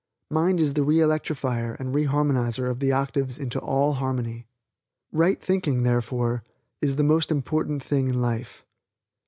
Mind is the re electrifier and re harmonizer of the octaves into all harmony. Right thinking, therefore, is the most important thing in life.